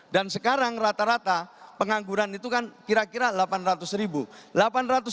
dan sekarang rata rata pengangguran itu kan kira kira delapan ratus ribu